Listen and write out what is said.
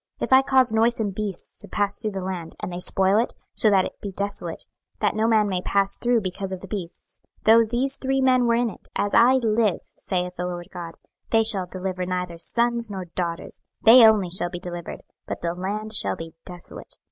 26:014:015 If I cause noisome beasts to pass through the land, and they spoil it, so that it be desolate, that no man may pass through because of the beasts: 26:014:016 Though these three men were in it, as I live, saith the Lord GOD, they shall deliver neither sons nor daughters; they only shall be delivered, but the land shall be desolate.